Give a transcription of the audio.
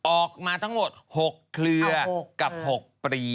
ออกมาทั้งหมด๖เครือกับ๖ปรี